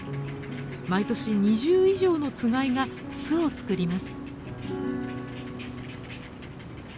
毎年２０以上のつがいが巣を作ります。